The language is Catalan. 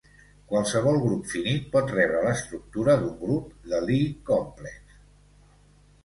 Qualsevol grup finit pot rebre l'estructura d'un grup de Lie complex.